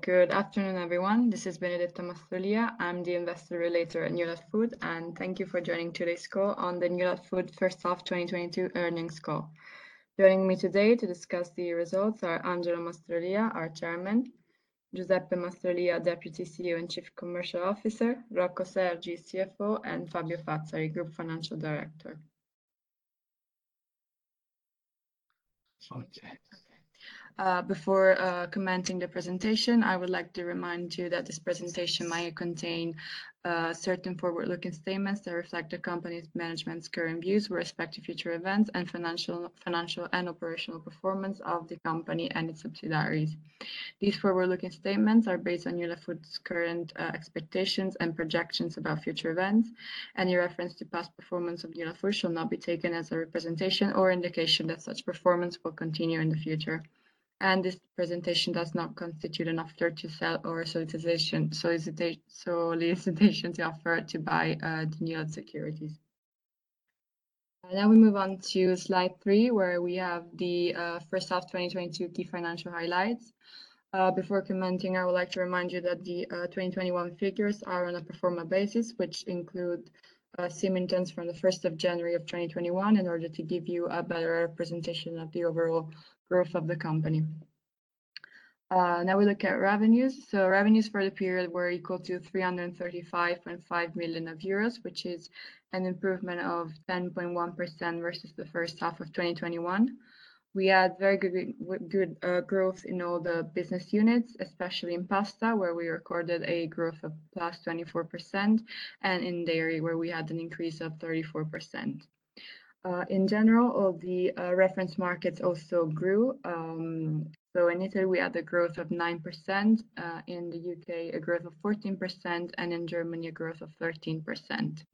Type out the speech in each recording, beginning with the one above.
Good afternoon, everyone. This is Benedetta Mastrolia. I'm the Investor Relations at Newlat Food, and thank you for joining today's call on the Newlat Food first half 2022 earnings call. Joining me today to discuss the results are Angelo Mastrolia, our Chairman, Giuseppe Mastrolia, Deputy CEO and Chief Commercial Officer, Rocco Sergi, CFO, and Fabio Fazzari, Group Financial Director. Okay. Before commencing the presentation, I would like to remind you that this presentation might contain certain forward-looking statements that reflect the company's management's current views with respect to future events and financial and operational performance of the company and its subsidiaries. These forward-looking statements are based on Newlat Food's current expectations and projections about future events. Any reference to past performance of Newlat Food shall not be taken as a representation or indication that such performance will continue in the future. This presentation does not constitute an offer to sell or a solicitation of an offer to buy Newlat securities. Now we move on to slide three, where we have the first half 2022 key financial highlights. Before commenting, I would like to remind you that the 2021 figures are on a pro forma basis, which include Symington's from the first of January of 2021, in order to give you a better representation of the overall growth of the company. Now we look at revenues. Revenues for the period were equal to 335.5 million euros, which is an improvement of 10.1% versus the first half of 2021. We had very good growth in all the business units, especially in pasta, where we recorded a growth of +24%, and in dairy, where we had an increase of 34%. In general, all the reference markets also grew. In Italy, we had a growth of 9%, in the U.K., a growth of 14%, and in Germany, a growth of 13%.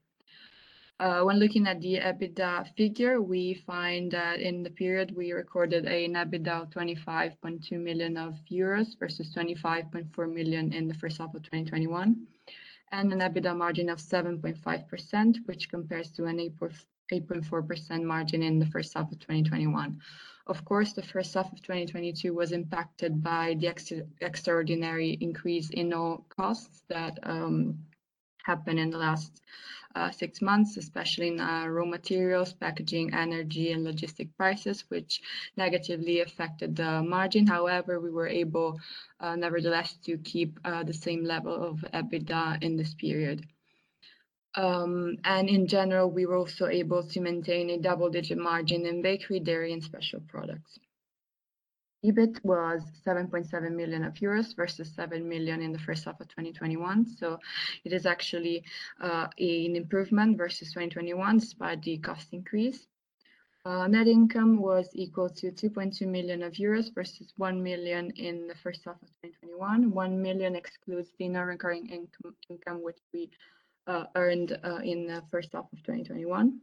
When looking at the EBITDA figure, we find that in the period we recorded an EBITDA of 25.2 million euros versus 25.4 million euros in the first half of 2021, and an EBITDA margin of 7.5%, which compares to an 8.4% margin in the first half of 2021. Of course, the first half of 2022 was impacted by the extraordinary increase in all costs that happened in the last six months, especially in raw materials, packaging, energy, and logistics prices, which negatively affected the margin. However, we were able, nevertheless, to keep the same level of EBITDA in this period. In general, we were also able to maintain a double-digit margin in bakery, dairy, and special products. EBIT was 7.7 million euros versus 7 million euros in the first half of 2021, it is actually an improvement versus 2021 despite the cost increase. Net income was equal to 2.2 million euros versus 1 million euros in the first half of 2021. 1 million excludes the non-recurring income which we earned in the first half of 2021.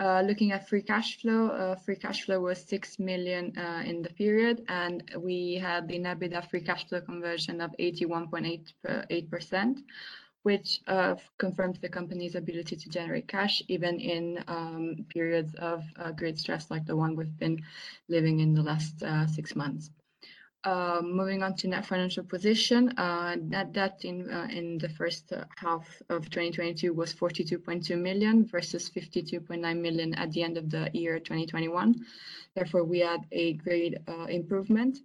Looking at free cash flow, free cash flow was 6 million in the period, and we had an EBITDA free cash flow conversion of 81.8%, which confirms the company's ability to generate cash, even in periods of great stress like the one we've been living in the last six months. Moving on to net financial position, net debt in the first half of 2022 was 42.2 million versus 52.9 million at the end of the year 2021. Therefore, we had a great improvement.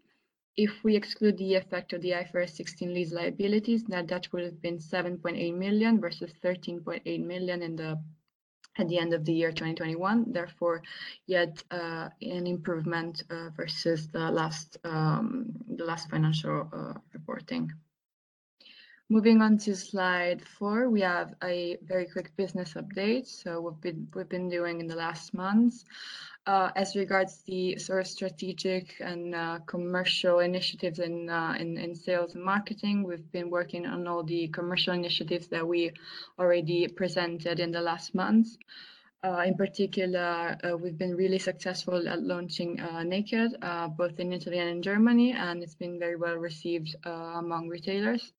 If we exclude the effect of the IFRS 16 lease liabilities, net debt would have been 7.8 million versus 13.8 million at the end of the year 2021, therefore yet an improvement versus the last financial reporting. Moving on to slide four, we have a very quick business update, so what we've been doing in the last months. As regards the sort of strategic and commercial initiatives in sales and marketing, we've been working on all the commercial initiatives that we already presented in the last months. In particular, we've been really successful at launching Naked Noodle both in Italy and in Germany, and it's been very well-received among retailers,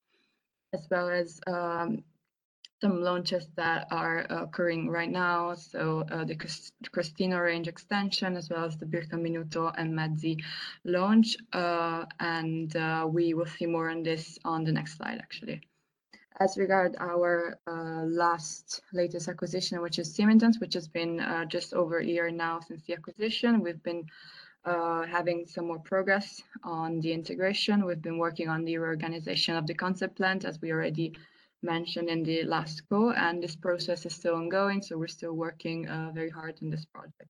as well as some launches that are occurring right now, so the Crostino Dorato range extension, as well as the Birkel Minuto and Mezzi launch. We will see more on this on the next slide, actually. As regards our latest acquisition, which is Symington's, which has been just over a year now since the acquisition, we've been having some more progress on the integration. We've been working on the reorganization of the Consett plant, as we already mentioned in the last call, and this process is still ongoing, so we're still working very hard on this project.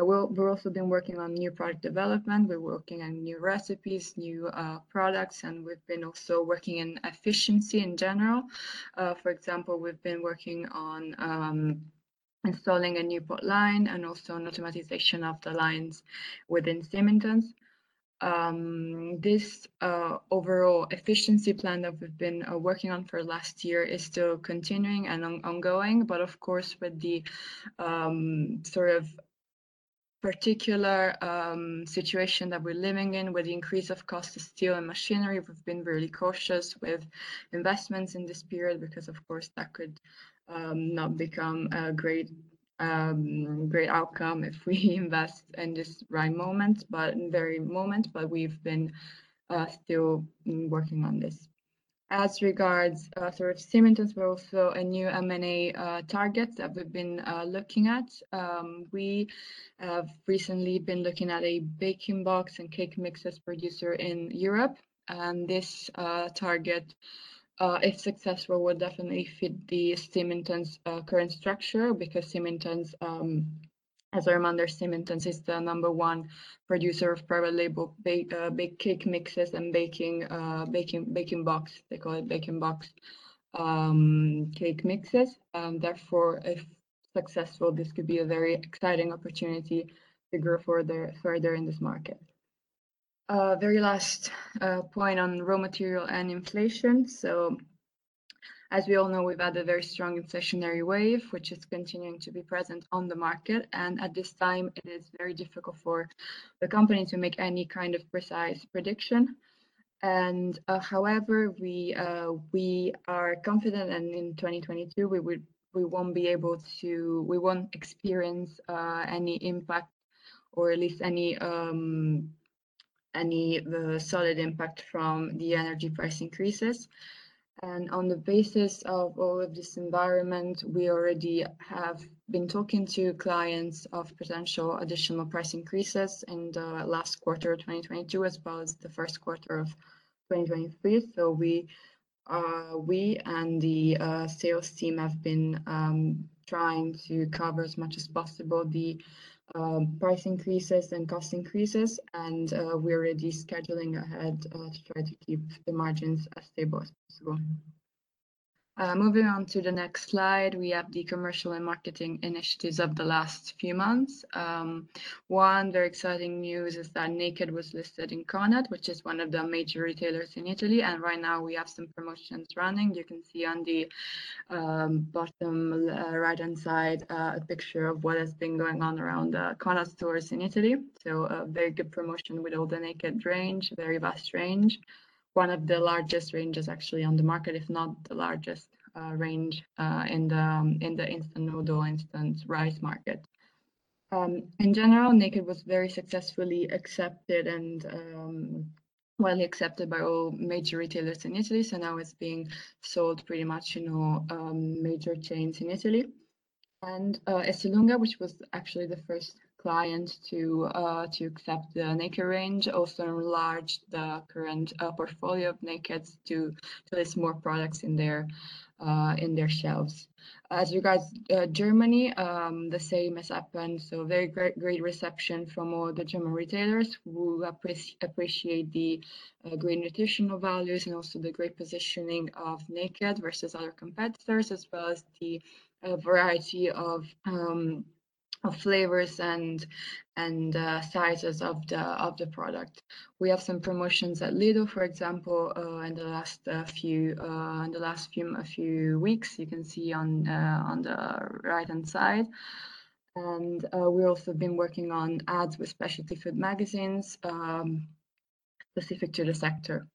We've also been working on new product development. We're working on new recipes, new products, and we've been also working in efficiency in general. For example, we've been working on installing a new pot line and also an automation of the lines within Symington's. This overall efficiency plan that we've been working on for last year is still continuing and ongoing, but of course, with the sort of particular situation that we're living in, with the increase of cost of steel and machinery, we've been very cautious with investments in this period, because of course, that could not become a great outcome if we invest in this right moment, but the very moment. We've been still working on this. As regards sort of Symington's, we're also a new M&A target that we've been looking at. We have recently been looking at a baking box and cake mixes producer in Europe, and this target, if successful, would definitely fit the Symington's current structure because Symington's, as a reminder, Symington's is the number one producer of private label bake cake mixes and baking box. They call it baking box, cake mixes. Therefore, if successful, this could be a very exciting opportunity to grow further in this market. Very last point on raw material and inflation. As we all know, we've had a very strong inflationary wave, which is continuing to be present on the market, and at this time it is very difficult for the company to make any kind of precise prediction. However, we are confident and in 2022 we won't experience any solid impact from the energy price increases. On the basis of all of this environment, we already have been talking to clients of potential additional price increases in the last quarter of 2022, as well as the first quarter of 2023. We and the sales team have been trying to cover as much as possible the price increases and cost increases, and we're already scheduling ahead to try to keep the margins as stable as possible. Moving on to the next slide, we have the commercial and marketing initiatives of the last few months. One very exciting news is that Naked was listed in Conad, which is one of the major retailers in Italy, and right now we have some promotions running. You can see on the bottom, right-hand side, a picture of what has been going on around the Conad stores in Italy. A very good promotion with all the Naked range, very vast range. One of the largest ranges actually on the market, if not the largest, range in the instant noodle, instant rice market. In general, Naked was very successfully accepted and, well accepted by all major retailers in Italy. Now it's being sold pretty much in all major chains in Italy. Esselunga, which was actually the first client to accept the Naked range, also enlarged the current portfolio of Naked to place more products in their shelves. As regards Germany, the same has happened, so very great reception from all the German retailers who appreciate the great nutritional values and also the great positioning of Naked versus other competitors, as well as the variety of flavors and sizes of the product. We have some promotions at Lidl, for example, in the last few weeks. You can see on the right-hand side. We've also been working on ads with specialty food magazines specific to the sector.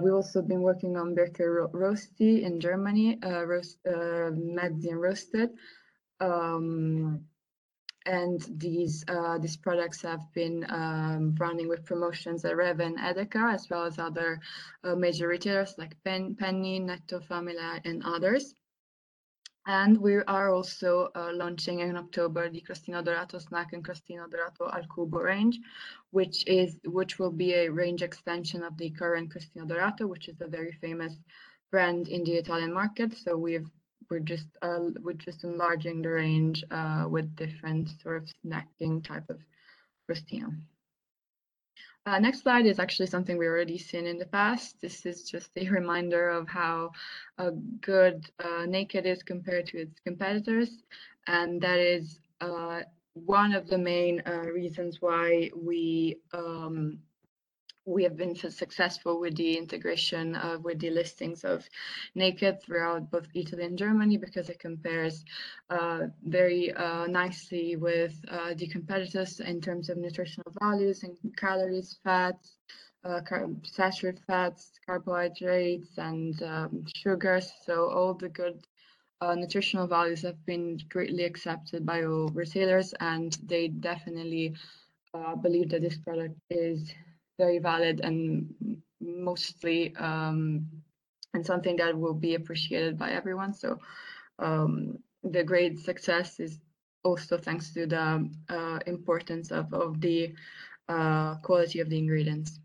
We've also been working on Birkel Rösti in Germany, Rösti, Mezzi and Rösti. These products have been running with promotions at REWE and EDEKA, as well as other major retailers like Penny, Netto, Famila, and others. We are also launching in October the Crostino Dorato snack and Crostino Dorato al Cubo range, which will be a range extension of the current Crostino Dorato, which is a very famous brand in the Italian market. We're just enlarging the range with different sort of snacking type of Crostino. Next slide is actually something we've already seen in the past. This is just a reminder of how good Naked is compared to its competitors, and that is one of the main reasons why we have been successful with the integration with the listings of Naked throughout both Italy and Germany, because it compares very nicely with the competitors in terms of nutritional values and calories, fats, saturated fats, carbohydrates and sugars. All the good nutritional values have been greatly accepted by all retailers, and they definitely believe that this product is very valid and mostly and something that will be appreciated by everyone. The great success is also thanks to the importance of the quality of the ingredients.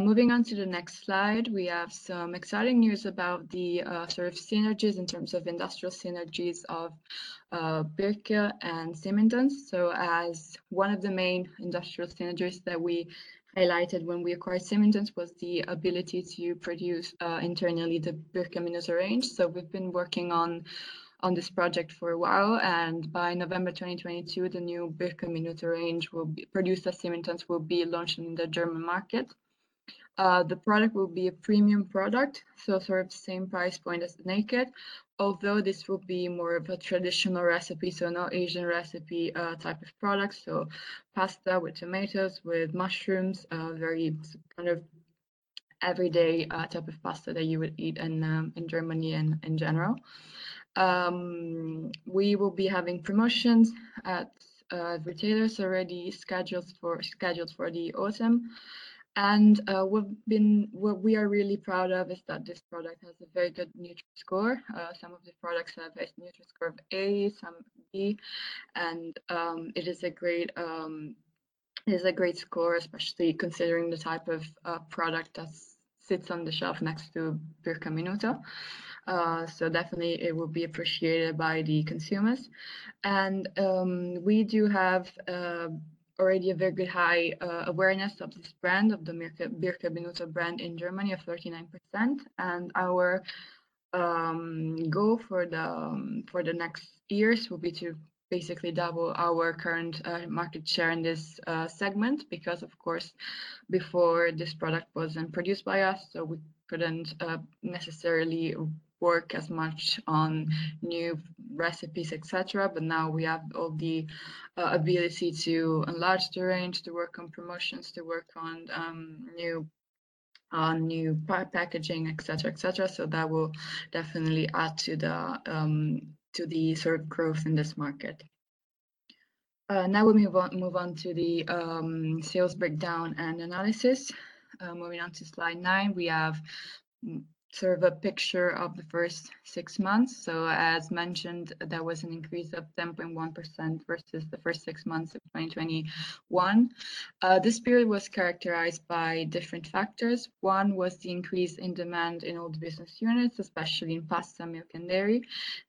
Moving on to the next slide, we have some exciting news about the sort of synergies in terms of industrial synergies of Birkel and Symington's. As one of the main industrial synergies that we highlighted when we acquired Symington's was the ability to produce internally the Birkel Minestrone range. We've been working on this project for a while, and by November 2022, the new Birkel Minestrone range will be produced at Symington's, will be launched in the German market. The product will be a premium product, so sort of same price point as Naked, although this will be more of a traditional recipe, so no Asian recipe type of product. Pasta with tomatoes, with mushrooms, very kind of everyday type of pasta that you would eat in Germany and in general. We will be having promotions at retailers already scheduled for the autumn. What we are really proud of is that this product has a very good Nutri-Score. Some of the products have a Nutri-Score of A, some B. It is a great score, especially considering the type of product that sits on the shelf next to Birkel Minuto. Definitely it will be appreciated by the consumers. We do have already a very good high awareness of this brand, of the Birkel Minuto brand in Germany of 39%. Our goal for the next years will be to basically double our current market share in this segment because, of course, before this product wasn't produced by us, so we couldn't necessarily work as much on new recipes, et cetera. Now we have all the ability to enlarge the range, to work on promotions, to work on new packaging, et cetera. That will definitely add to the sort of growth in this market. Now we move on to the sales breakdown and analysis. Moving on to slide nine, we have sort of a picture of the first six months. As mentioned, there was an increase of 10.1% versus the first six months of 2021. This period was characterized by different factors. One was the increase in demand in all the business units, especially in pasta, milk and dairy,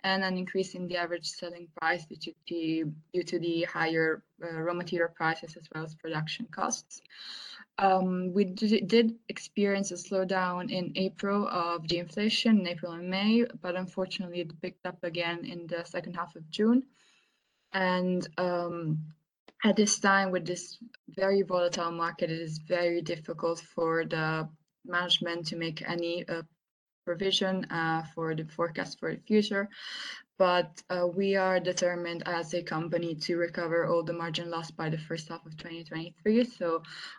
and an increase in the average selling price due to the higher raw material prices as well as production costs. We did experience a slowdown in April and May of the inflation, but unfortunately it picked up again in the second half of June. At this time, with this very volatile market, it is very difficult for the management to make any provision for the forecast for the future. We are determined as a company to recover all the margin lost by the first half of 2023.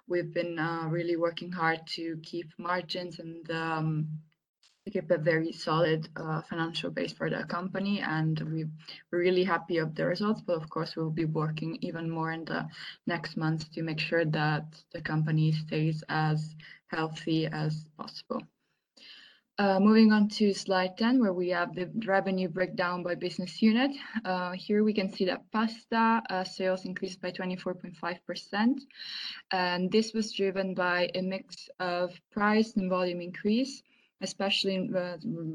We've been really working hard to keep margins and to keep a very solid financial base for the company, and we're really happy of the results. Of course, we'll be working even more in the next months to make sure that the company stays as healthy as possible. Moving on to slide 10, where we have the revenue breakdown by business unit. Here we can see that pasta sales increased by 24.5%, and this was driven by a mix of price and volume increase, especially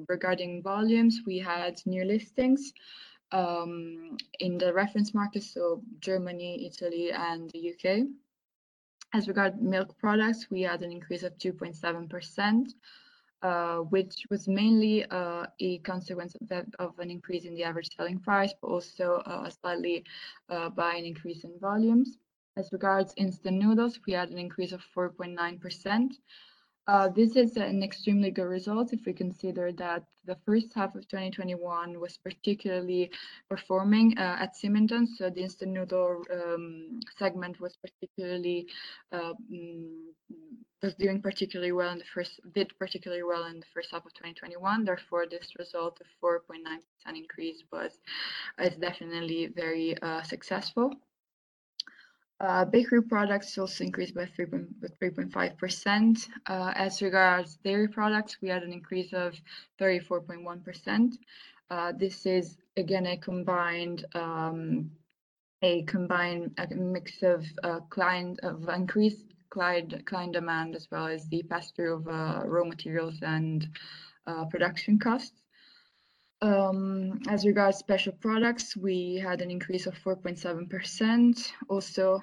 regarding volumes. We had new listings in the reference market, so Germany, Italy and the U.K. As regards milk products, we had an increase of 2.7%, which was mainly a consequence of an increase in the average selling price, but also slightly by an increase in volumes. As regards instant noodles, we had an increase of 4.9%. This is an extremely good result if we consider that the first half of 2021 was particularly performing at Symington's. The instant noodle segment did particularly well in the first half of 2021. Therefore, this result of 4.9% increase is definitely very successful. Bakery products also increased by 3.5%. As regards dairy products, we had an increase of 34.1%. This is again a combined mix of increased client demand, as well as the pass-through of raw materials and production costs. As regards special products, we had an increase of 4.7%. Also,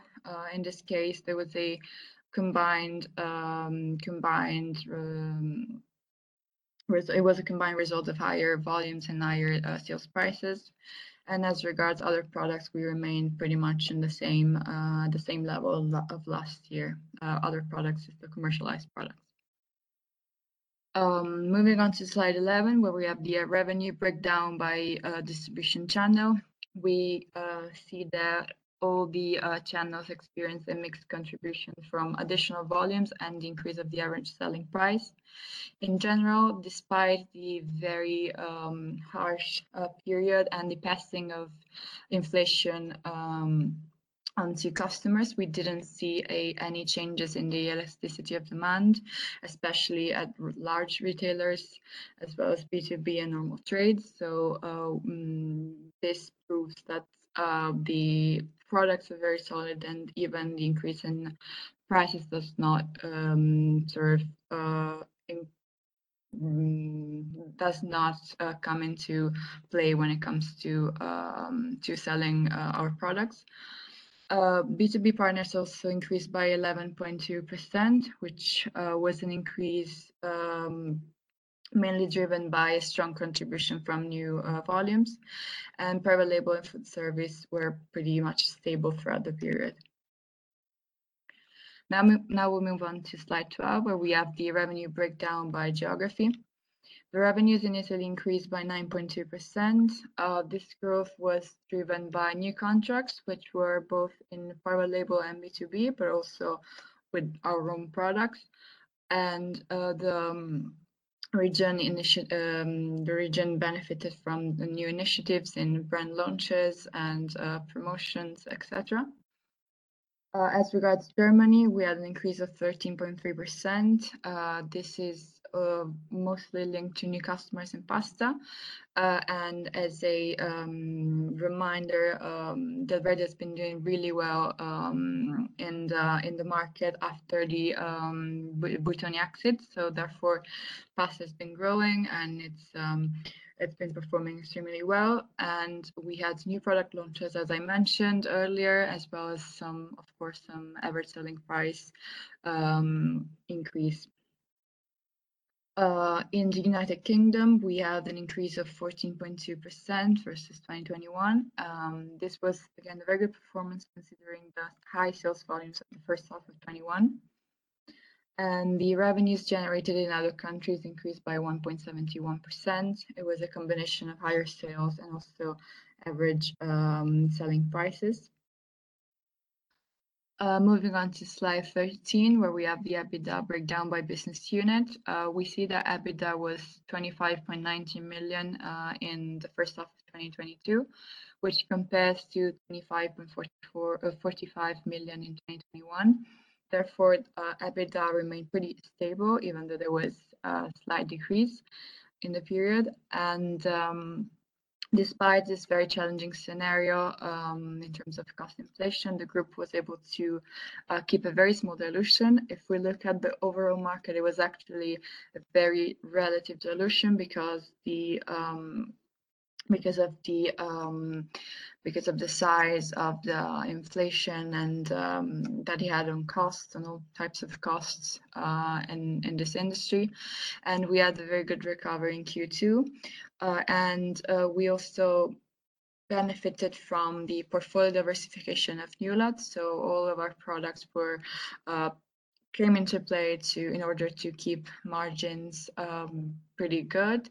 in this case, there was a combined. It was a combined result of higher volumes and higher sales prices. As regards other products, we remain pretty much in the same level of last year. Other products is the commercialized products. Moving on to slide 11, where we have the revenue breakdown by distribution channel. We see that all the channels experience a mixed contribution from additional volumes and the increase of the average selling price. In general, despite the very harsh period and the passing of inflation onto customers, we didn't see any changes in the elasticity of demand, especially at large retailers as well as B2B and normal trades. This proves that the products are very solid and even the increase in prices does not come into play when it comes to selling our products. B2B partners also increased by 11.2%, which was an increase mainly driven by a strong contribution from new volumes. Private label and food service were pretty much stable throughout the period. Now we'll move on to slide 12, where we have the revenue breakdown by geography. The revenues in Italy increased by 9.2%. This growth was driven by new contracts, which were both in private label and B2B, but also with our own products. The region benefited from the new initiatives in brand launches and promotions, et cetera. As regards to Germany, we had an increase of 13.3%. This is mostly linked to new customers in pasta. And as a reminder, Delverde has been doing really well in the market after the Britannia exits. Pasta has been growing and it's been performing extremely well. We had new product launches, as I mentioned earlier, as well as some of course, some average selling price increase. In the United Kingdom, we had an increase of 14.2% versus 2021. This was again a very good performance considering the high sales volumes in the first half of 2021. The revenues generated in other countries increased by 1.71%. It was a combination of higher sales and also average selling prices. Moving on to slide 13, where we have the EBITDA breakdown by business unit. We see that EBITDA was 25.19 million in the first half of 2022, which compares to 25.44 or 25.45 million in 2021. Therefore, EBITDA remained pretty stable, even though there was a slight decrease in the period. Despite this very challenging scenario in terms of cost inflation, the group was able to keep a very small dilution. If we look at the overall market, it was actually a very relative dilution because of the size of the inflation and that it had on costs and all types of costs in this industry. We had a very good recovery in Q2. We also benefited from the portfolio diversification of Newlat. All of our products came into play to keep margins pretty good.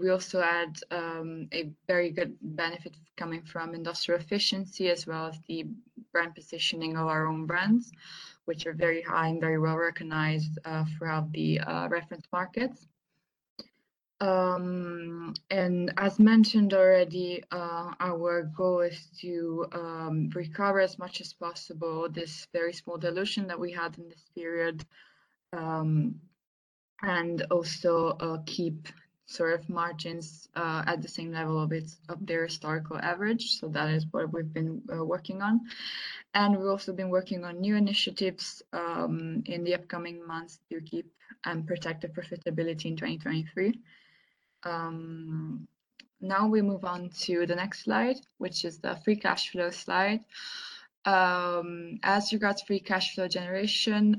We also had a very good benefit coming from industrial efficiency as well as the brand positioning of our own brands, which are very high and very well-recognized throughout the reference markets. As mentioned already, our goal is to recover as much as possible this very small dilution that we had in this period and also keep sort of margins at the same level of their historical average. That is what we've been working on. We've also been working on new initiatives in the upcoming months to keep and protect the profitability in 2023. Now we move on to the next slide, which is the free cash flow slide. As regards free cash flow generation,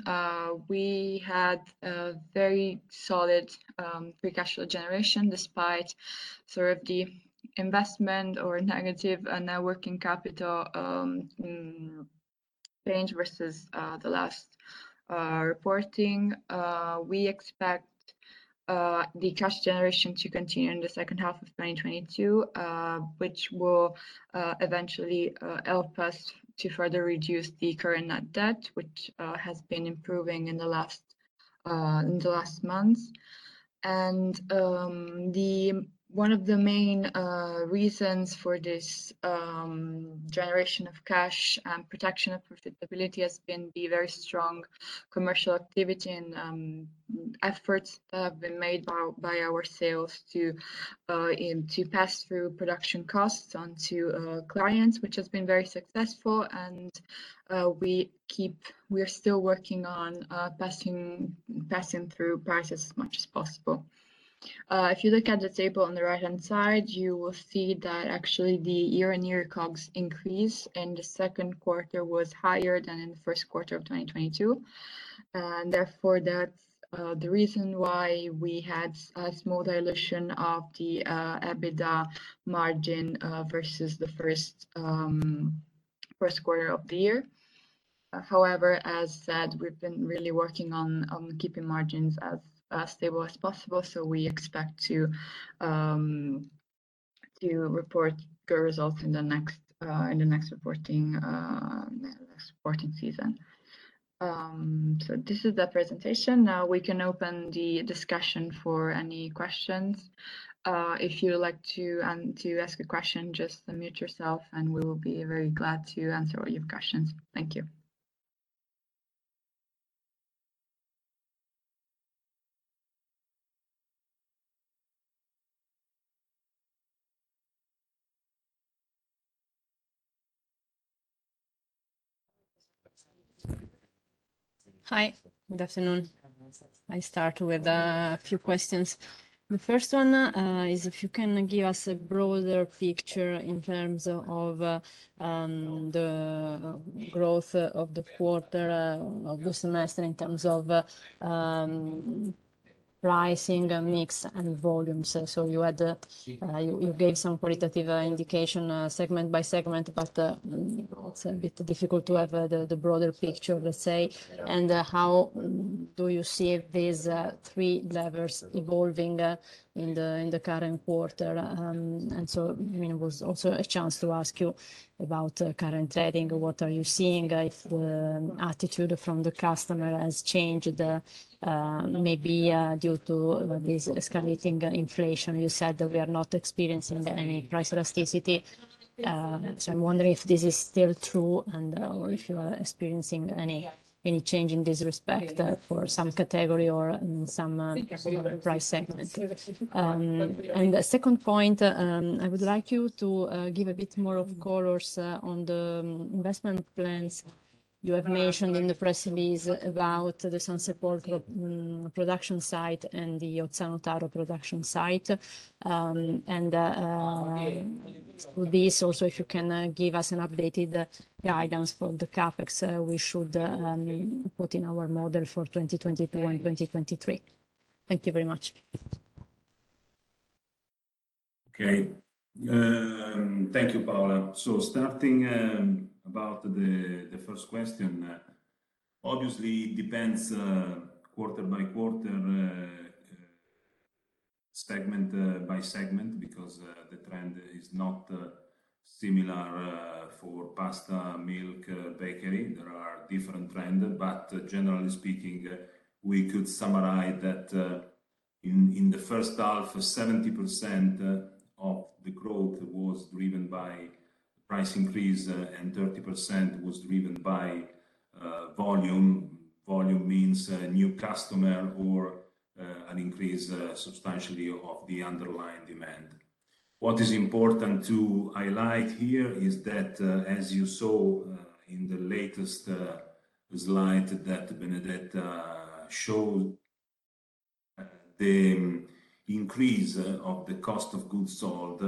we had a very solid free cash flow generation despite sort of the investment or negative net working capital change versus the last reporting. We expect the cash generation to continue in the second half of 2022, which will eventually help us to further reduce the current net debt, which has been improving in the last months. One of the main reasons for this generation of cash and protection of profitability has been the very strong commercial activity and efforts that have been made by our sales to pass through production costs onto clients, which has been very successful. We are still working on passing through prices as much as possible. If you look at the table on the right-hand side, you will see that actually the year-on-year COGS increase in the second quarter was higher than in the first quarter of 2022. Therefore, that's the reason why we had a small dilution of the EBITDA margin versus the first quarter of the year. However, as said, we've been really working on keeping margins as stable as possible. We expect to report good results in the next reporting season. This is the presentation. Now we can open the discussion for any questions. If you would like to ask a question, just unmute yourself, and we will be very glad to answer all your questions. Thank you. Hi, good afternoon. I start with a few questions. The first one is if you can give us a broader picture in terms of the growth of the quarter of the semester in terms of pricing, mix, and volume. You gave some qualitative indication segment by segment, but it's a bit difficult to have the broader picture, let's say. How do you see these three levers evolving in the current quarter? I mean, it was also a chance to ask you about current trading. What are you seeing? If the attitude from the customer has changed, maybe due to this escalating inflation. You said that we are not experiencing any price elasticity. I'm wondering if this is still true, or if you are experiencing any change in this respect for some category or in some price segment. The second point, I would like you to give a bit more color on the investment plans. You have mentioned in the press release about the Sansepolcro production site and the Ozzano Taro production site. With this also, if you can give us an updated guidance for the CapEx we should put in our model for 2022 and 2023. Thank you very much. Thank you, Paola. Starting about the first question, obviously it depends quarter by quarter, segment by segment because the trend is not similar for pasta, milk, bakery. There are different trends. Generally speaking, we could summarize that in the first half, 70% of the growth was driven by price increase, and 30% was driven by volume. Volume means a new customer or a substantial increase of the underlying demand. What is important to highlight here is that, as you saw in the latest slide that Benedetta showed, the increase of the cost of goods sold,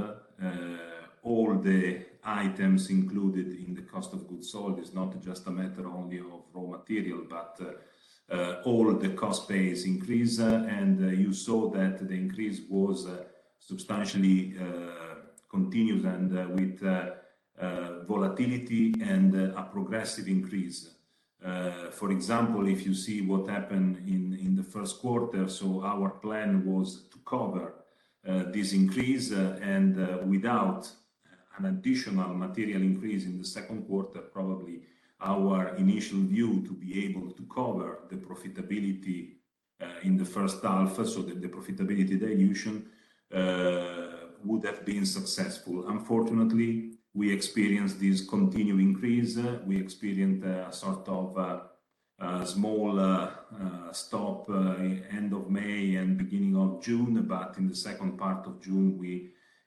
all the items included in the cost of goods sold is not just a matter only of raw material, but all the cost base increase. You saw that the increase was substantially continuous and with volatility and a progressive increase. For example, if you see what happened in the first quarter, our plan was to cover this increase and without an additional material increase in the second quarter. Probably our initial view to be able to cover the profitability in the first half, so the profitability dilution would have been successful. Unfortunately, we experienced this continued increase. We experienced a sort of small stop, end of May and beginning of June. In the second part of June,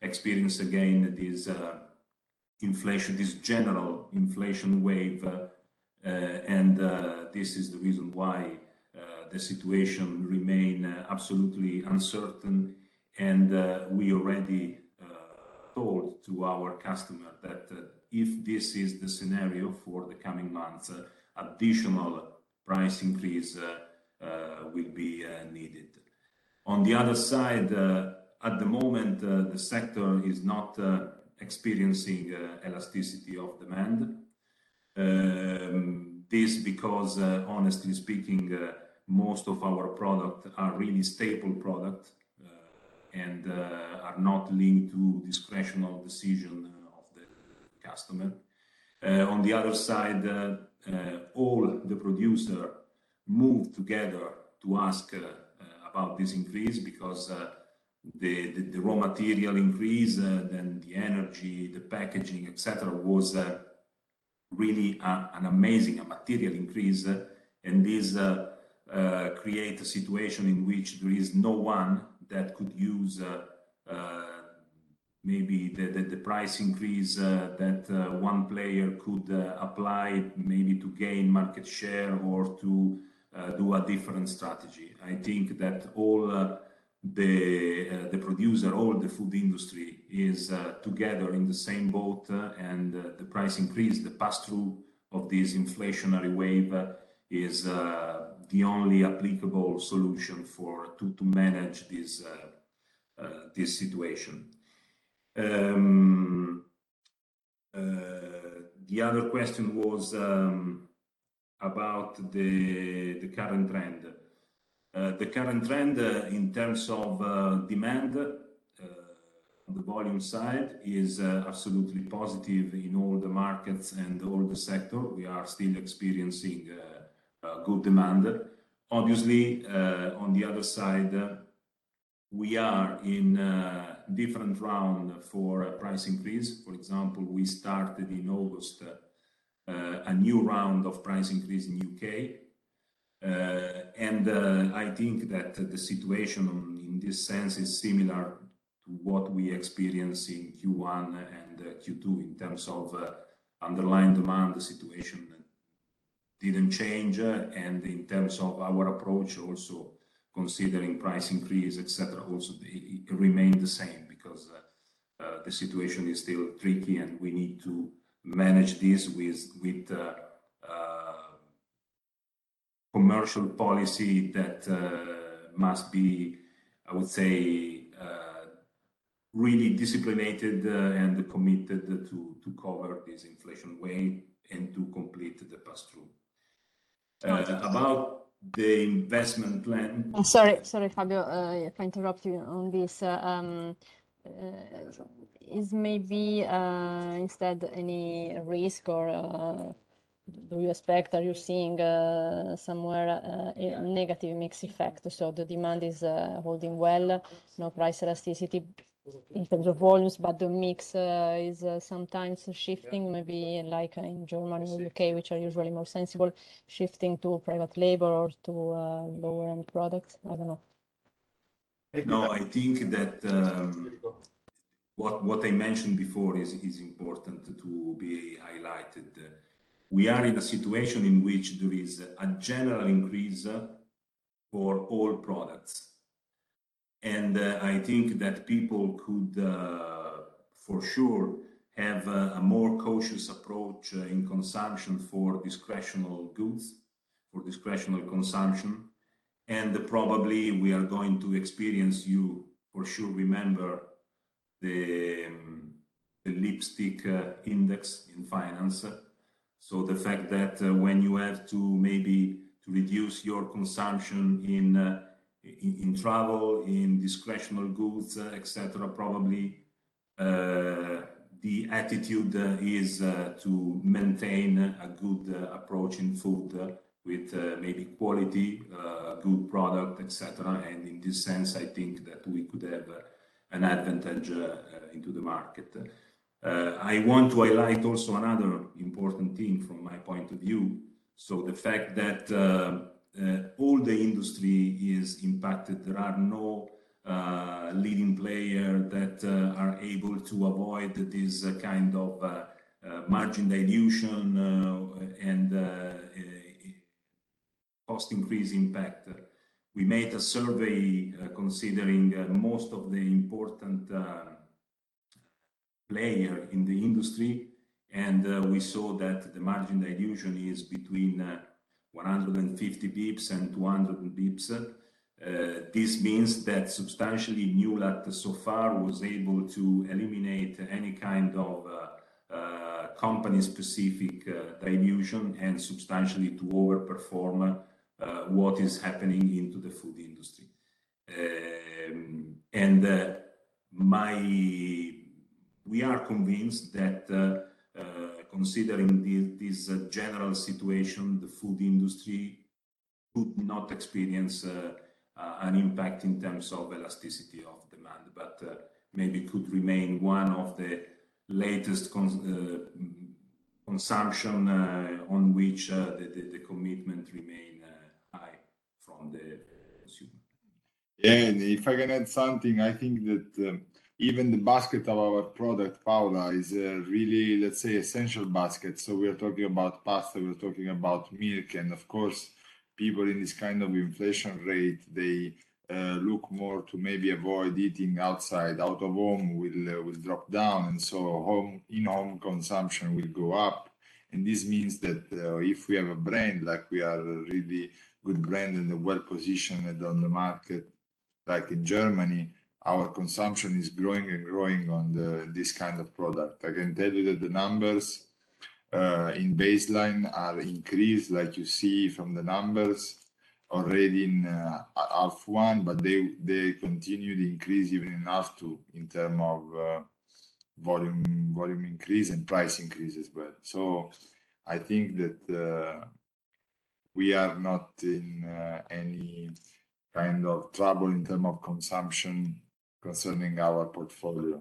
we experienced again this inflation, this general inflation wave. This is the reason why the situation remains absolutely uncertain. We already told our customer that if this is the scenario for the coming months, additional price increase will be needed. On the other side, at the moment, the sector is not experiencing elasticity of demand. This because, honestly speaking, most of our products are really staple products and are not linked to discretionary decision of the customer. On the other side, all the producers moved together to ask about this increase because the raw material increase, then the energy, the packaging, et cetera, was really a material increase. This create a situation in which there is no one that could use maybe the price increase that one player could apply maybe to gain market share or to do a different strategy. I think that all the producer, all the food industry is together in the same boat, and the price increase, the pass-through of this inflationary wave, is the only applicable solution to manage this situation. The other question was about the current trend. The current trend in terms of demand on the volume side is absolutely positive in all the markets and all the sector. We are still experiencing good demand. Obviously, on the other side, we are in a different round for a price increase. For example, we started in August a new round of price increase in U.K. I think that the situation in this sense is similar to what we experienced in Q1 and Q2 in terms of underlying demand. The situation didn't change. In terms of our approach, also considering price increase, et cetera, also it remained the same because the situation is still tricky, and we need to manage this with commercial policy that must be, I would say, really disciplined, and committed to cover this inflation wave and to complete the pass-through. About the investment plan. I'm sorry. Sorry, Fabio, if I interrupt you on this. Are you seeing somewhere a negative mix effect? The demand is holding well, no price elasticity in terms of volumes, but the mix is sometimes shifting maybe like in Germany and U.K., which are usually more sensitive, shifting to private label or to lower-end products? I don't know. No, I think that what I mentioned before is important to be highlighted. We are in a situation in which there is a general increase for all products. I think that people could for sure have a more cautious approach in consumption for discretionary goods, for discretionary consumption. Probably we are going to experience, you for sure remember the lipstick index in finance. The fact that when you have to maybe to reduce your consumption in travel, in discretionary goods, et cetera, probably the attitude is to maintain a good approach in food with maybe quality good product, et cetera. In this sense, I think that we could have an advantage in the market. I want to highlight also another important thing from my point of view. The fact that all the industry is impacted, there are no leading player that are able to avoid this kind of margin dilution and cost increase impact. We made a survey considering most of the important player in the industry, and we saw that the margin dilution is between 150 basis points and 200 basis points. This means that substantially Newlat so far was able to eliminate any kind of company-specific dilution and substantially to overperform what is happening into the food industry. My... We are convinced that, considering this general situation, the food industry could not experience an impact in terms of elasticity of demand, but maybe could remain one of the latest consumption on which the commitment remain high from the consumer. If I can add something, I think that even the basket of our product, Paola, is really, let's say, essential basket. We are talking about pasta, we're talking about milk. Of course, people in this kind of inflation rate, they look more to maybe avoid eating outside, out of home will drop down, and home in-home consumption will go up. This means that if we have a brand, like we are a really good brand and well-positioned on the market, like in Germany, our consumption is growing and growing on this kind of product. I can tell you that the numbers in baseline are increased, like you see from the numbers already in H1. They continue to increase even in H2 in terms of volume increase and price increases. I think that we are not in any kind of trouble in terms of consumption concerning our portfolio.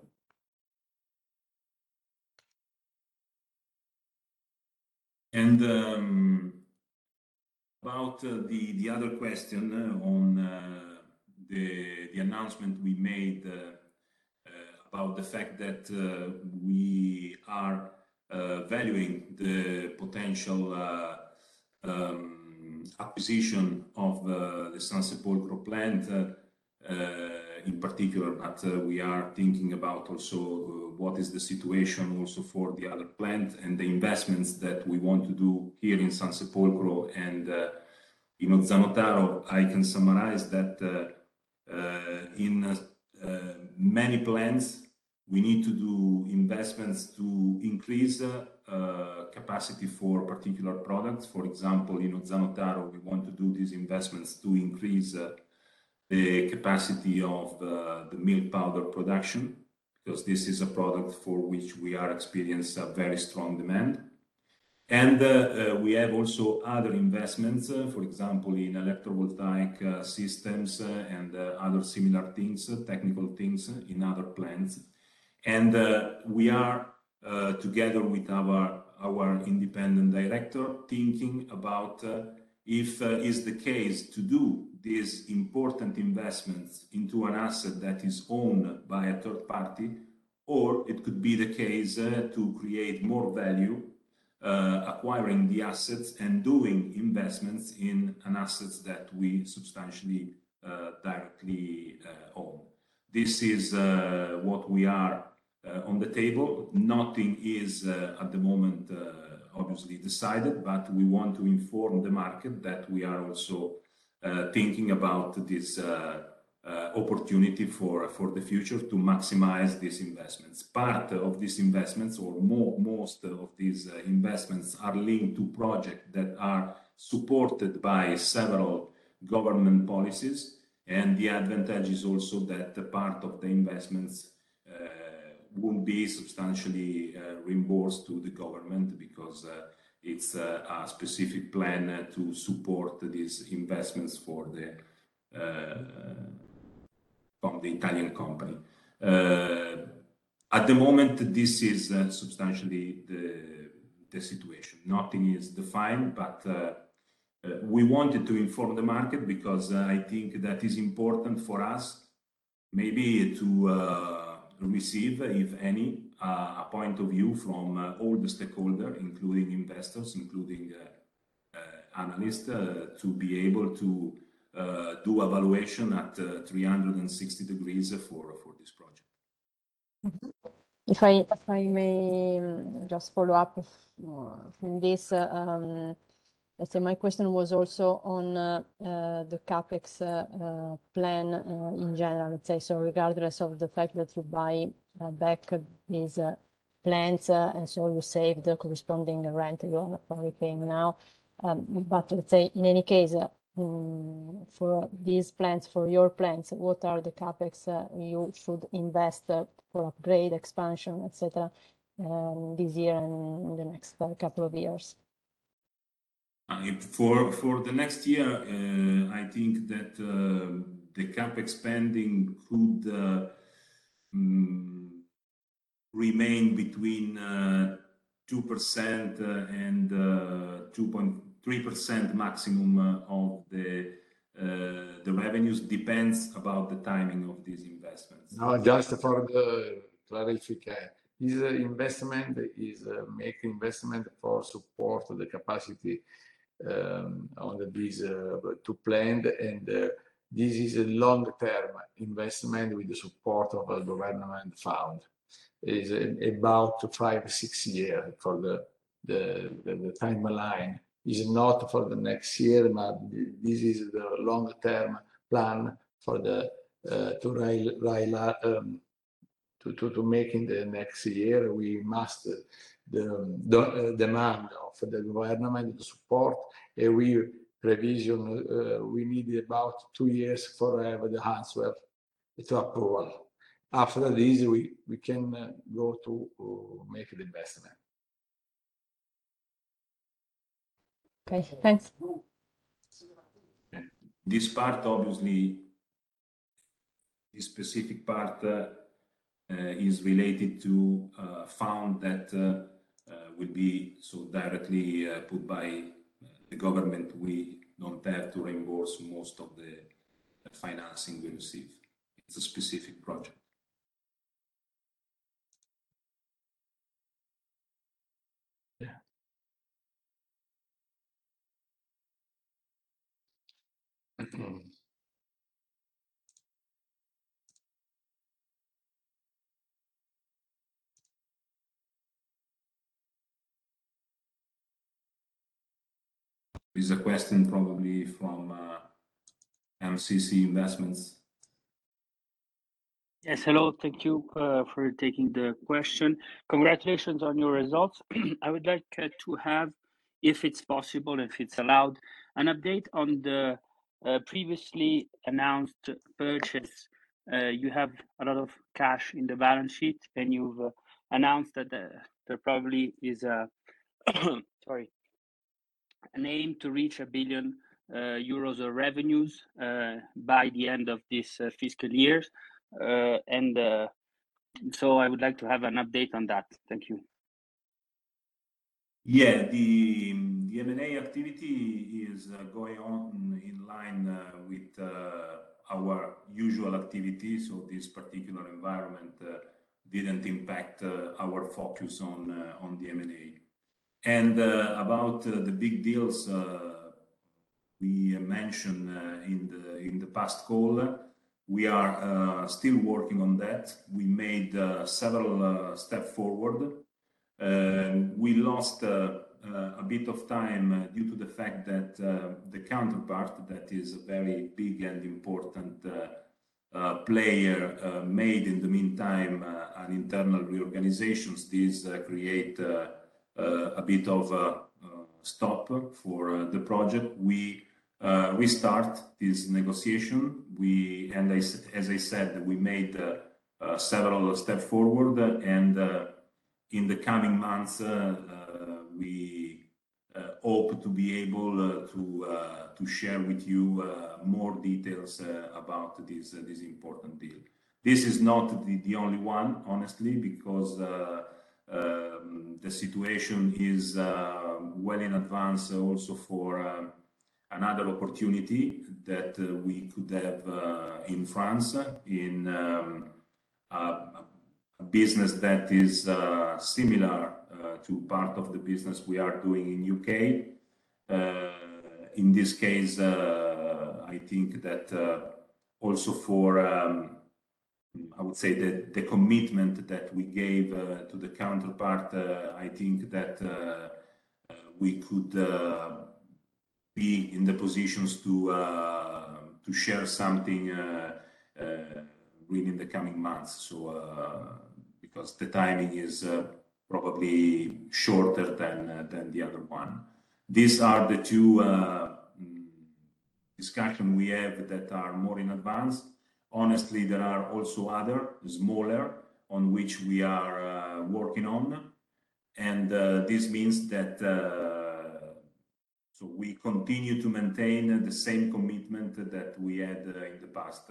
about the other question on the announcement we made about the fact that we are valuing the potential acquisition of the Sansepolcro plant in particular. We are thinking about also what is the situation also for the other plant and the investments that we want to do here in Sansepolcro and in Ozzano Taro. I can summarize that in many plants we need to do investments to increase capacity for particular products. For example, in Ozzano Taro, we want to do these investments to increase the capacity of the milk powder production, because this is a product for which we are experiencing a very strong demand. We have also other investments, for example, in photovoltaic systems, and other similar things, technical things in other plants. We are together with our independent director, thinking about if it is the case to do these important investments into an asset that is owned by a third party, or it could be the case to create more value, acquiring the assets and doing investments in assets that we substantially directly own. This is what we have on the table. Nothing is at the moment obviously decided, but we want to inform the market that we are also thinking about this opportunity for the future to maximize these investments. Part of these investments or most of these investments are linked to projects that are supported by several government policies. The advantage is also that part of the investments will be substantially reimbursed to the government because it's a specific plan to support these investments from the Italian company. At the moment, this is substantially the situation. Nothing is defined, but we wanted to inform the market because I think that is important for us maybe to receive, if any, a point of view from all the stakeholders, including investors, including analysts, to be able to do evaluation at 360 degrees for this project. If I may just follow up from this. Let's say my question was also on the CapEx plan in general, let's say. Regardless of the fact that you buy back these plants and so you save the corresponding rent you are probably paying now. Let's say in any case, for these plants, for your plants, what are the CapEx you should invest for upgrade, expansion, et cetera, this year and in the next couple of years? For the next year, I think that the CapEx spending could remain between 2% and 2.3% maximum of the revenues. It depends on the timing of these investments. Now, just for clarity, if we can. This investment is make investment for support of the capacity on these two plants. This is a long-term investment with the support of a government fund. It is about 5-6 years for the timeline. It is not for the next year, but this is the longer term plan to make in the next year. We must meet the demand of the government support. Revision we need about two years for the answer, its approval. After this, we can go to make the investment. Okay, thanks. This part, obviously, this specific part, is related to fund that will be so directly put by the government. We don't have to reimburse most of the financing we receive. It's a specific project. Yeah. This is a question probably from MCC Investments. Yes. Hello. Thank you for taking the question. Congratulations on your results. I would like to have, if it's possible and if it's allowed, an update on the previously announced purchase. You have a lot of cash in the balance sheet, and you've announced that there probably is, sorry, an aim to reach 1 billion euros of revenues by the end of this fiscal year. I would like to have an update on that. Thank you. Yeah. The M&A activity is going on in line with our usual activities, so this particular environment didn't impact our focus on the M&A. About the big deals we mentioned in the past call, we are still working on that. We made several step forward. We lost a bit of time due to the fact that the counterpart that is a very big and important player made in the meantime an internal reorganizations. This create a bit of a stop for the project. We start this negotiation. As I said, we made several step forward. In the coming months, we hope to be able to share with you more details about this important deal. This is not the only one, honestly, because the situation is well in advance also for another opportunity that we could have in France, a business that is similar to part of the business we are doing in U.K. In this case, I think that also for I would say the commitment that we gave to the counterpart, I think that we could be in the positions to share something within the coming months. Because the timing is probably shorter than the other one. These are the two discussions we have that are more advanced. Honestly, there are also other smaller ones on which we are working on. This means that we continue to maintain the same commitment that we had in the past.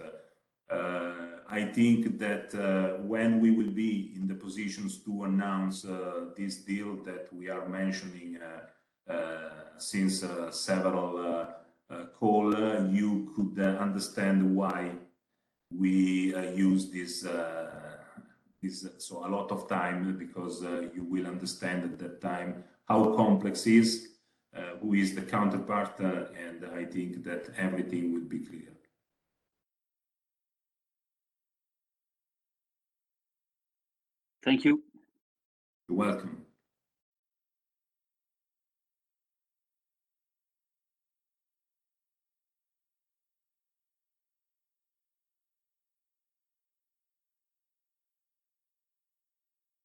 I think that when we will be in the position to announce this deal that we are mentioning since several calls, you could understand why we use so much time because you will understand at that time how complex the counterpart is, and I think that everything will be clear. Thank you. You're welcome.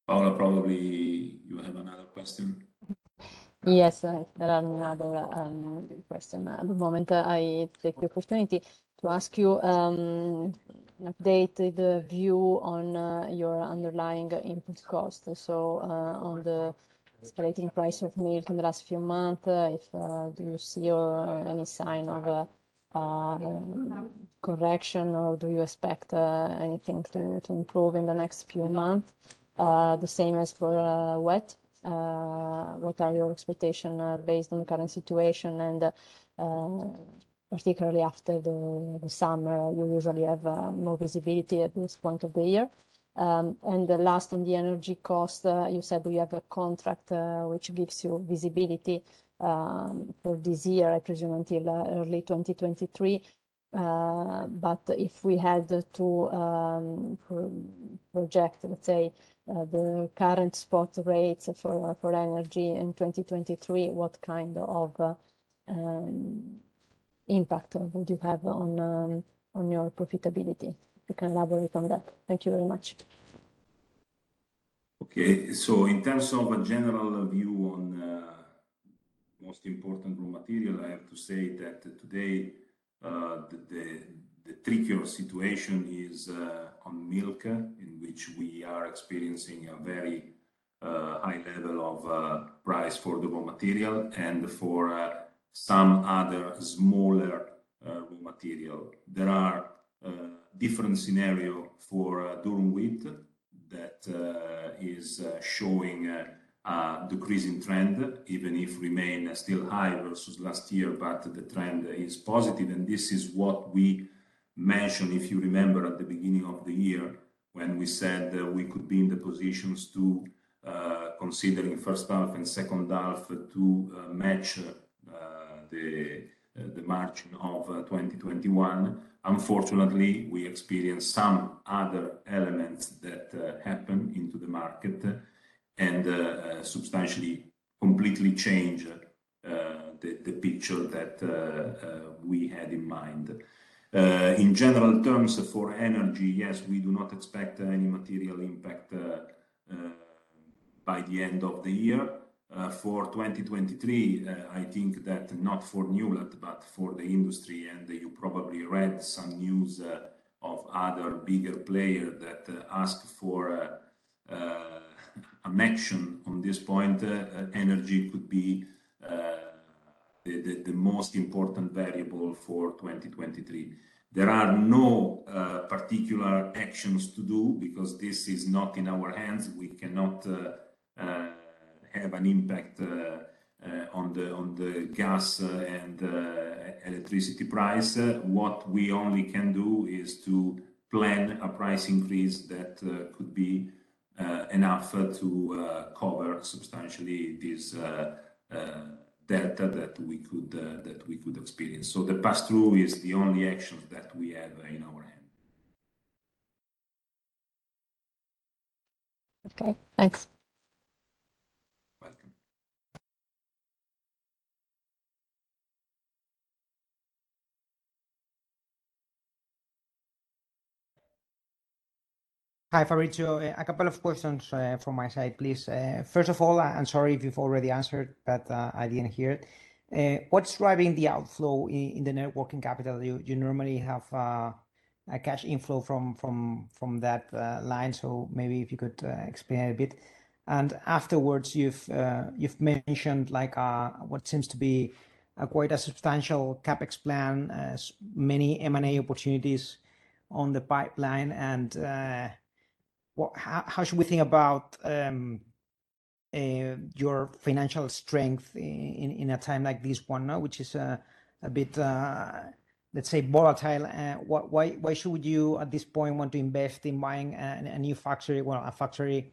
Paola, probably you have another question. Yes, I have another question. At the moment, I take the opportunity to ask you updated view on your underlying input cost. So, on the escalating price of milk in the last few months, do you see any sign of a correction or do you expect anything to improve in the next few months? The same as for wheat. What are your expectations based on current situation and particularly after the summer, you usually have more visibility at this point of the year. The last on the energy cost, you said you have a contract which gives you visibility for this year, I presume until early 2023. If we had to project, let's say, the current spot rates for energy in 2023, what kind of impact would you have on your profitability? You can elaborate on that. Thank you very much. Okay. In terms of a general view on most important raw material, I have to say that today the trickier situation is on milk in which we are experiencing a very high level of price for the raw material and for some other smaller raw material. There are different scenario for durum wheat that is showing a decreasing trend, even if remain still high versus last year, but the trend is positive. This is what we mentioned, if you remember at the beginning of the year, when we said that we could be in the positions to considering first half and second half to match the margin of 2021. Unfortunately, we experienced some other elements that happened into the market and substantially completely change the picture that we had in mind. In general terms for energy, yes, we do not expect any material impact by the end of the year. For 2023, I think that not for Newlat, but for the industry, and you probably read some news of other bigger player that ask for an action on this point. Energy could be the most important variable for 2023. There are no particular actions to do because this is not in our hands. We cannot have an impact on the gas and electricity price. What we only can do is to plan a price increase that could be enough to cover substantially this delta that we could experience. The pass-through is the only action that we have in our hand. Okay, thanks. Welcome. Hi, Fabrizio. A couple of questions from my side, please. First of all, I'm sorry if you've already answered, but I didn't hear it. What's driving the outflow in the net working capital? You normally have a cash inflow from that line. So maybe if you could explain a bit. Afterwards, you've mentioned like what seems to be quite a substantial CapEx plan, many M&A opportunities on the pipeline. How should we think about and your financial strength in a time like this one now, which is a bit, let's say volatile. Why should you at this point want to invest in buying a new factory? Well, a factory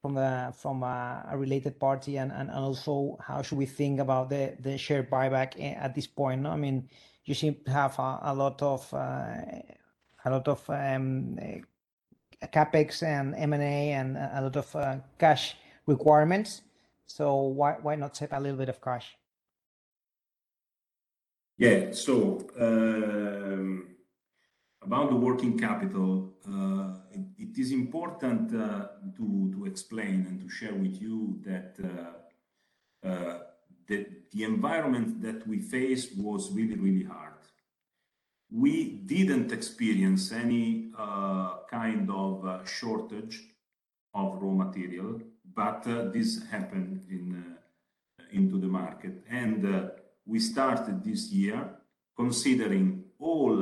from a related party. Also how should we think about the share buyback at this point? I mean, you seem to have a lot of CapEx and M&A and a lot of cash requirements. Why not save a little bit of cash? Yeah. About the working capital, it is important to explain and to share with you that the environment that we faced was really hard. We didn't experience any kind of shortage of raw material, but this happened in the market. We started this year considering all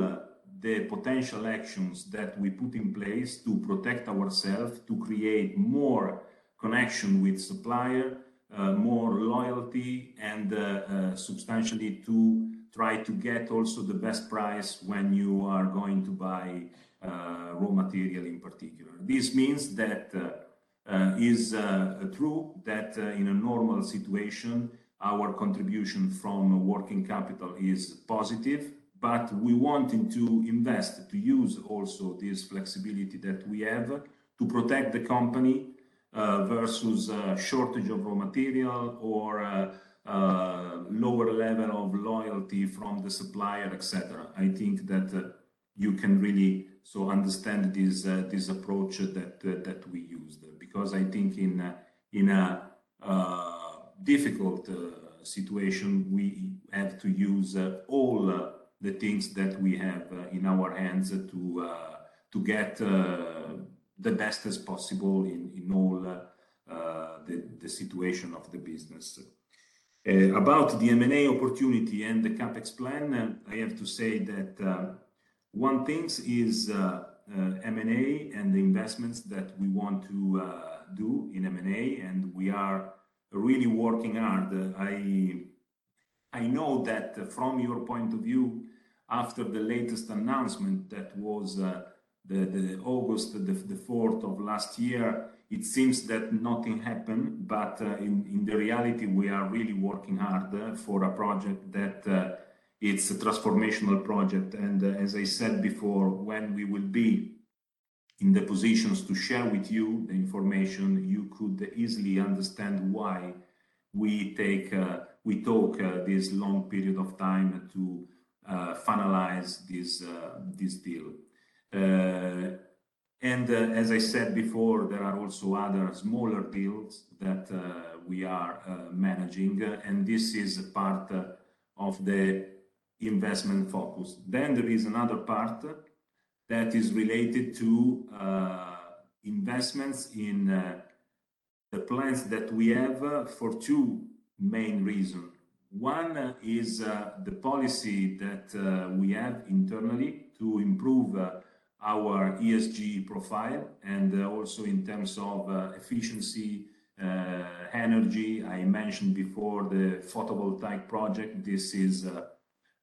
the potential actions that we put in place to protect ourselves, to create more connection with suppliers, more loyalty and substantially to try to get also the best price when you are going to buy raw material in particular. This means that is true that in a normal situation, our contribution from working capital is positive, but we wanted to invest, to use also this flexibility that we have to protect the company versus shortage of raw material or lower level of loyalty from the supplier, et cetera. I think that you can really so understand this this approach that we used, because I think in a difficult situation, we have to use all the things that we have in our hands to get the best as possible in all the situation of the business. About the M&A opportunity and the CapEx plan, I have to say that one thing is M&A and the investments that we want to do in M&A, and we are really working hard. I know that from your point of view, after the latest announcement that was the August fourth of last year, it seems that nothing happened. In reality, we are really working hard for a project that it's a transformational project. As I said before, when we will be in the position to share with you the information, you could easily understand why we took this long period of time to finalize this deal. As I said before, there are also other smaller deals that we are managing, and this is part of the investment focus. There is another part that is related to investments in the plants that we have for two main reasons. One is the policy that we have internally to improve our ESG profile and also in terms of energy efficiency. I mentioned before the photovoltaic project. This is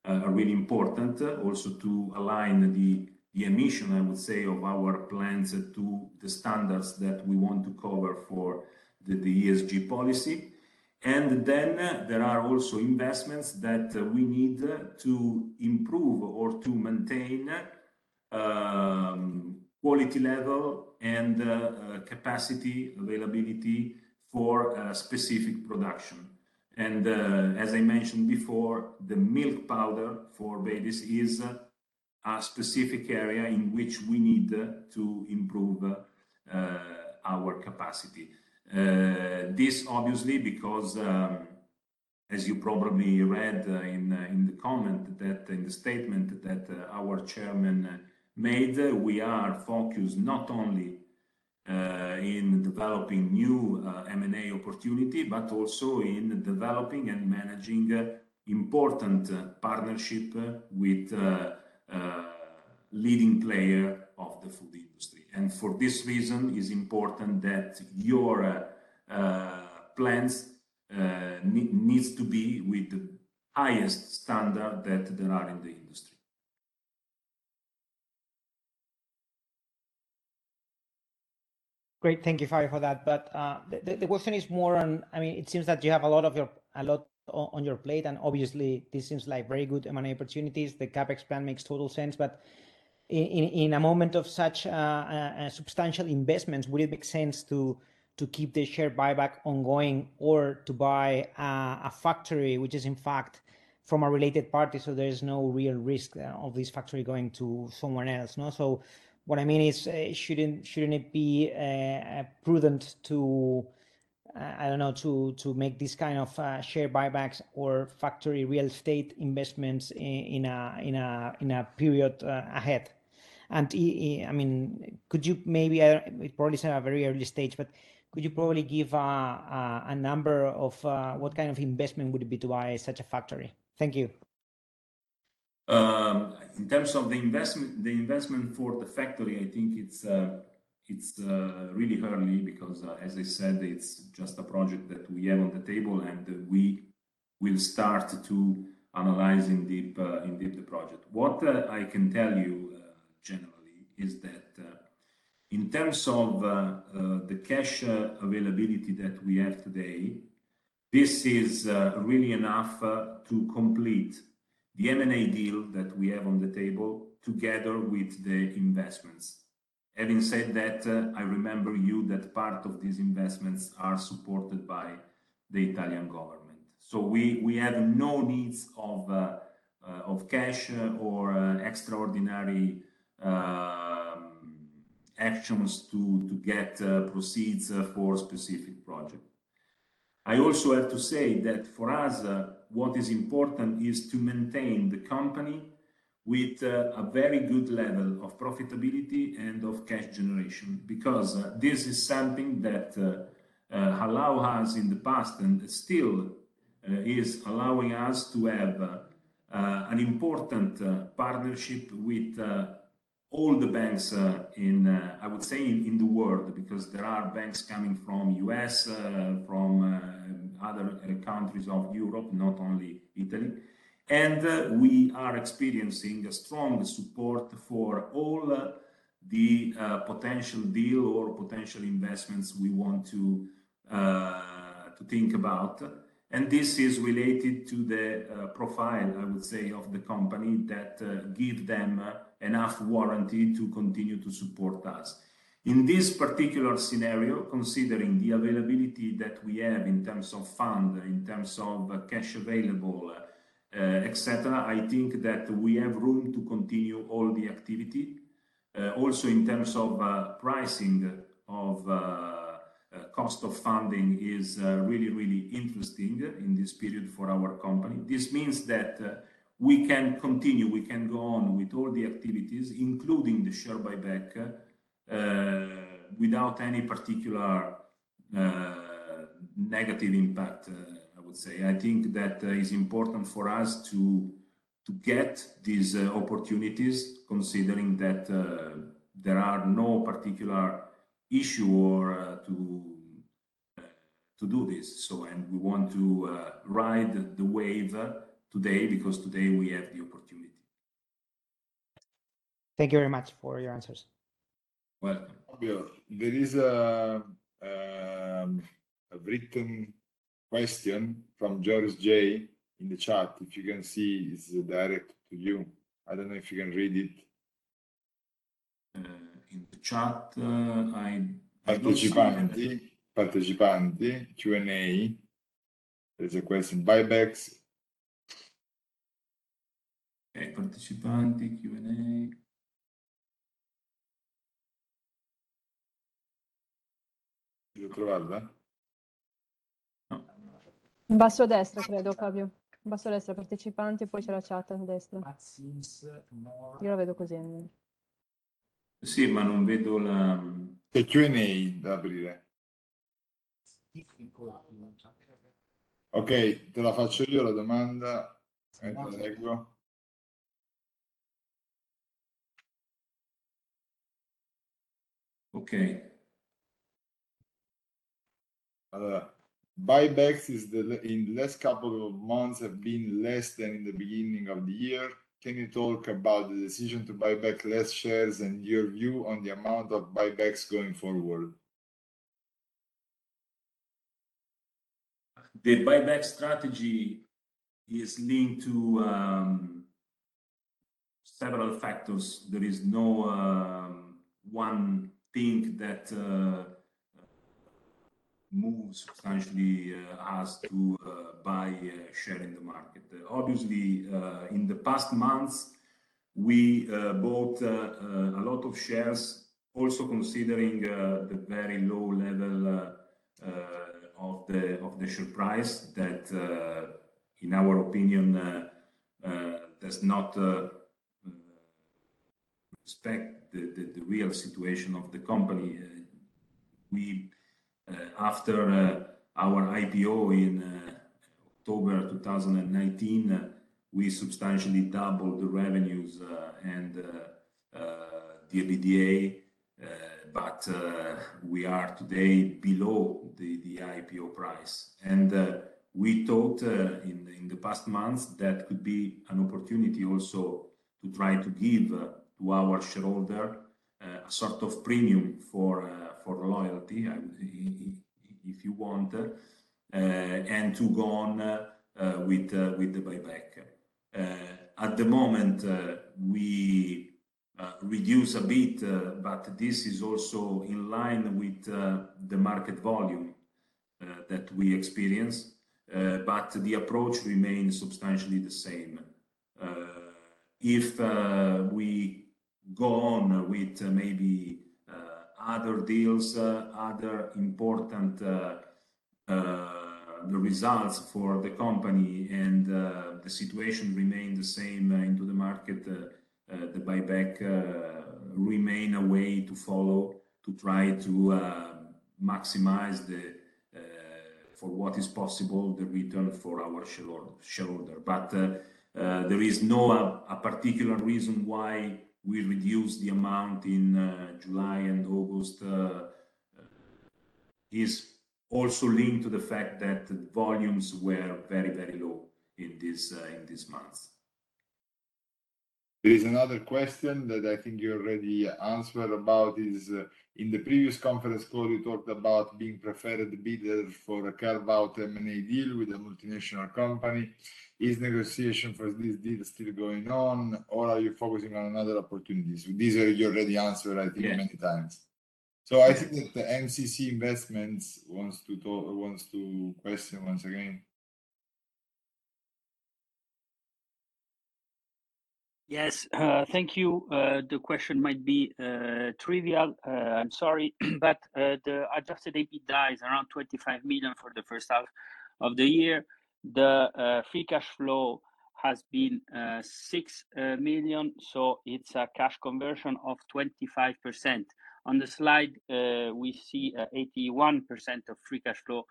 really important also to align the emissions, I would say, of our plants to the standards that we want to cover for the ESG policy. There are also investments that we need to improve or to maintain quality level and capacity availability for a specific production. As I mentioned before, the milk powder for babies is a specific area in which we need to improve our capacity. This obviously because as you probably read in the comment that in the statement that our chairman made, we are focused not only in developing new M&A opportunity, but also in developing and managing important partnership with leading player of the food industry. For this reason, it's important that your plans needs to be with the highest standard that there are in the industry. Great. Thank you, Fabio, for that. The question is more on I mean, it seems that you have a lot on your plate, and obviously this seems like very good M&A opportunities. The CapEx plan makes total sense, but in a moment of such substantial investments, would it make sense to keep the share buyback ongoing or to buy a factory which is in fact from a related party so there is no real risk of this factory going to someone else, no? What I mean is, shouldn't it be prudent to I don't know, to make this kind of share buybacks or factory real estate investments in a period ahead? I mean, could you maybe, it probably is at a very early stage, but could you probably give a number of what kind of investment would it be to buy such a factory? Thank you. In terms of the investment for the factory, I think it's really early because, as I said, it's just a project that we have on the table, and we will start to analyze in depth the project. What I can tell you generally is that, in terms of the cash availability that we have today, this is really enough to complete the M&A deal that we have on the table together with the investments. Having said that, I remind you that part of these investments are supported by the Italian government, so we have no needs of cash or extraordinary actions to get proceeds for specific project. I also have to say that for us, what is important is to maintain the company with a very good level of profitability and of cash generation because this is something that allow us in the past and still is allowing us to have an important partnership with all the banks in, I would say, in the world, because there are banks coming from U.S., from other countries of Europe, not only Italy. We are experiencing a strong support for all the potential deal or potential investments we want to think about. This is related to the profile, I would say, of the company that give them enough warranty to continue to support us. In this particular scenario, considering the availability that we have in terms of funds, in terms of cash available, et cetera, I think that we have room to continue all the activities. Also in terms of pricing of cost of funding is really, really interesting in this period for our company. This means that we can continue, we can go on with all the activities, including the share buyback, without any particular negative impact, I would say. I think that is important for us to get these opportunities considering that there are no particular issues or to do this. We want to ride the wave today because today we have the opportunity. Thank you very much for your answers. Well, Fabio, there is a written question from George J. in the chat. If you can see, it's direct to you. I don't know if you can read it. In the chat, I don't see. Partecipanti, Q&A. There's a question, buybacks. Okay. Partecipanti, Q&A. Now, Massimo Nova. The Q&A. Okay. Te la faccio io la domanda. Ecco, leggo. Okay. Buybacks in last couple of months have been less than in the beginning of the year. Can you talk about the decision to buy back less shares and your view on the amount of buybacks going forward? The buyback strategy is linked to several factors. There is no one thing that moves substantially us to buy shares in the market. Obviously, in the past months, we bought a lot of shares also considering the very low level of the share price that, in our opinion, does not respect the real situation of the company. We after our IPO in October 2019, we substantially doubled the revenues and the EBITDA, but we are today below the IPO price. We thought in the past months that could be an opportunity also to try to give to our shareholder a sort of premium for loyalty, I would. If you want to go on with the buyback. At the moment, we reduce a bit, but this is also in line with the market volume that we experience. The approach remains substantially the same. If we go on with maybe other deals, other important results for the company and the situation remain the same in the market, the buyback remain a way to follow to try to maximize, for what is possible, the return for our shareholder. There is no particular reason why we reduce the amount in July and August. Is also linked to the fact that volumes were very low in this month. There is another question that I think you already answered about in the previous conference call. You talked about being preferred bidder for a carve-out M&A deal with a multinational company. Is negotiation for this deal still going on, or are you focusing on other opportunities? These are. You already answered, I think, many times. Yes. I think that the MCC Investments wants to question once again. Yes, thank you. The question might be trivial, I'm sorry, but the adjusted EBITDA is around 25 million for the first half of the year. The free cash flow has been 6 million, so it's a cash conversion of 25%. On the slide, we see 81% of free cash flow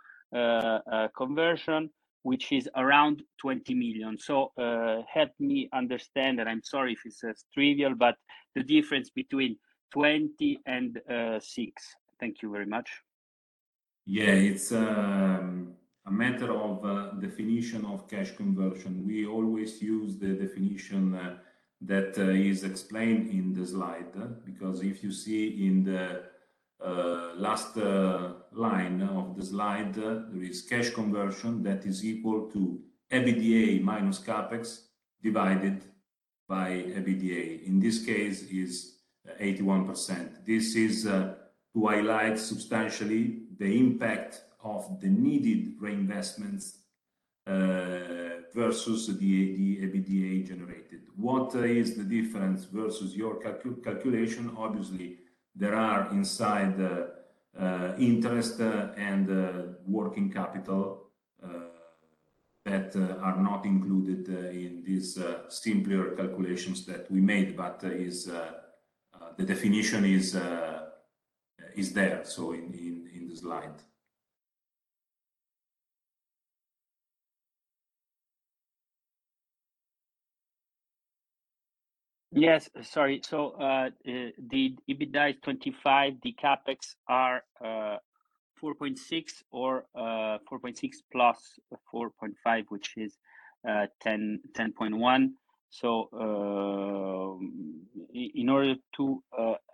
conversion, which is around 20 million. Help me understand, and I'm sorry if it's trivial, but the difference between 20 and 6. Thank you very much. Yeah. It's a matter of definition of cash conversion. We always use the definition that is explained in the slide. Because if you see in the last line of the slide, there is cash conversion that is equal to EBITDA minus CapEx divided by EBITDA. In this case, is 81%. This is to highlight substantially the impact of the needed reinvestments versus the EBITDA generated. What is the difference versus your calculation? Obviously, there are inside the interest and the working capital that are not included in these simpler calculations that we made. The definition is there, so in the slide. Yes. Sorry. The EBITDA is 25. The CapEx are 4.6 or 4.64.5, which is 10.1. In order to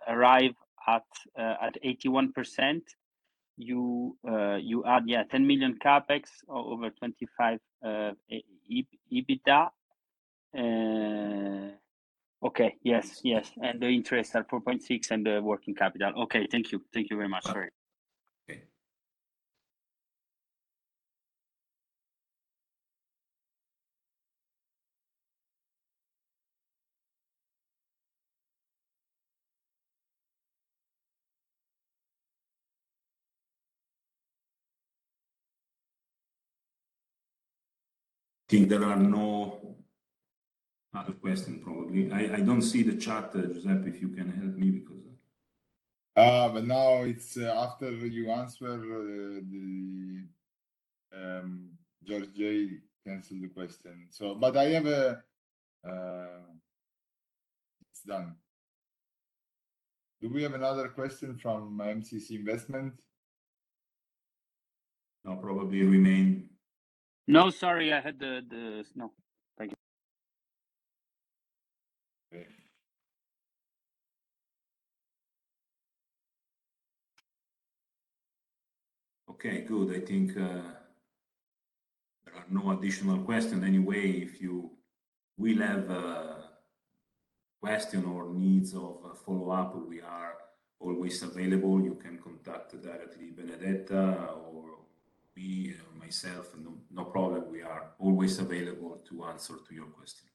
arrive at 81%, you add 10 million CapEx over 25 EBITDA. Okay. Yes. The interests are 4.6, and the working capital. Okay. Thank you. Thank you very much. Sorry. Okay. I think there are no other question probably. I don't see the chat, Giuseppe, if you can help me because. Now it's after you answer, the George J. canceled the question. It's done. Do we have another question from MCC Investments? No, probably we may- No. Sorry. No. Thank you. Okay. Okay, good. I think there are no additional question. Anyway, if you will have a question or needs of a follow-up, we are always available. You can contact directly Benedetta or we, myself. No problem. We are always available to answer to your question.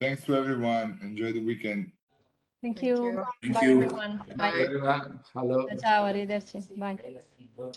Thanks to everyone. Enjoy the weekend. Thank you. Thank you. Bye, everyone. Bye. Bye, everyone. Hello. Bye.